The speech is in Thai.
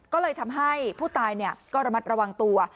ก็เลยทำให้ผู้ตายก็ระมัดระวังตัว